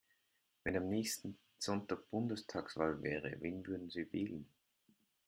Wenn am nächsten Sonntag Bundestagswahl wäre, wen würden Sie wählen?